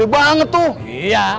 harganya tuh iya